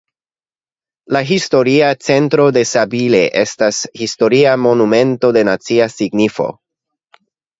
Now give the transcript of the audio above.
La historia centro de Sabile estas historia monumento de nacia signifo.